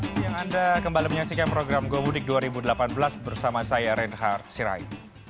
siang anda kembali menyaksikan program gomudik dua ribu delapan belas bersama saya reinhard sirai